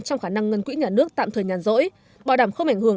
trong khả năng ngân quỹ nhà nước tạm thời nhàn rỗi bảo đảm không ảnh hưởng